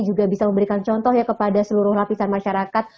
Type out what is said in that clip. juga bisa memberikan contoh ya kepada seluruh lapisan masyarakat